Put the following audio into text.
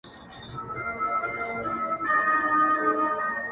o چي نه لري هلک، هغه کور د اور لايق!